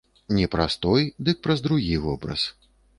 Не праз той, дык праз другі вобраз.